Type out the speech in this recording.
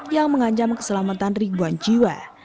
yang mengancam keselamatan ribuan jiwa